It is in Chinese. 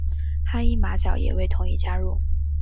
哈伊马角也未同意加入。